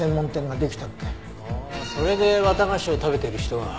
ああそれで綿菓子を食べてる人が。